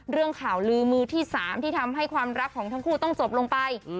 เรื่องข่าวลือมือที่๓ที่ทำให้ความรักของทั้งคู่ต้องจบลงไป